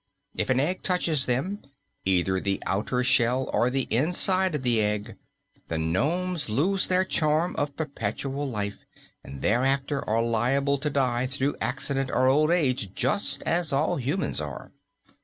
If an egg touches them either the outer shell or the inside of the egg the nomes lose their charm of perpetual life and thereafter are liable to die through accident or old age, just as all humans are.